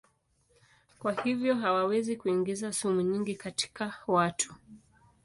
Kwa hivyo hawawezi kuingiza sumu nyingi katika watu.